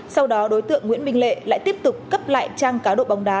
sau đó đối tượng nguyễn minh lệ lại tiếp tục cấp lại trang cá độ bóng đá